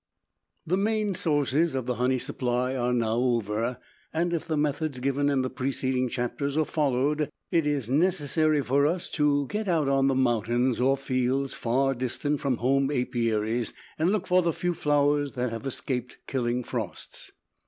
The main sources of the honey supply are now over, and if the methods given in the preceding chapters are followed it is necessary for us to get out on the mountains or fields far distant from home apiaries and look for the few flowers that have escaped killing frosts.